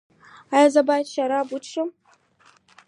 ایا زه باید شراب وڅښم؟